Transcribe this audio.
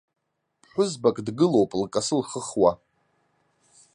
Ԥҳәызбак дгылоуп лкасы лхыхуа.